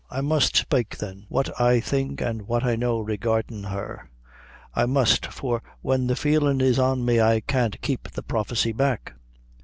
I must spake, then, what I think an' what I know, regardin' her. I must; for when the feelin' is on me, I can't keep the prophecy back."